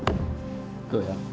はい。